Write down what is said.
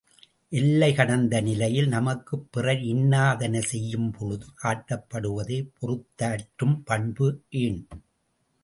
எல்லை கடந்த நிலையில் நமக்குப் பிறர் இன்னாதன செய்யும் பொழுது காட்டப்படுவதே பொறுத்தாற்றும் பண்பு ஏன்?